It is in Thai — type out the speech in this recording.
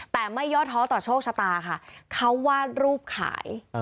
แต่ไม่ย่อท้อต่อโชคชะตาค่ะเขาวาดรูปขาย